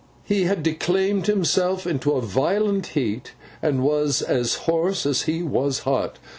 He had declaimed himself into a violent heat, and was as hoarse as he was hot.